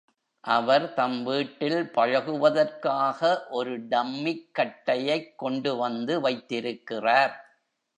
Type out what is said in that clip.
அவர் தம் வீட்டில் பழகுவதற்காக ஒரு டம்மிக் கட்டையைக் கொண்டு வந்து வைத்திருக்கிறார்.